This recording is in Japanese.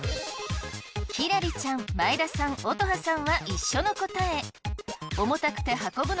輝里ちゃん前田さん乙葉さんは一緒の答え。